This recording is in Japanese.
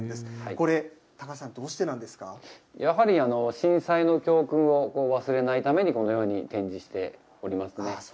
これ、高橋さん、どうしてなんでやはり、震災の教訓を忘れないために、このように展示しておりますね。